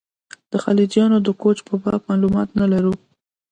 د خلجیانو د کوچ په باب معلومات نه لرو.